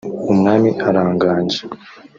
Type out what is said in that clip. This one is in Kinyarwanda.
umwami araganje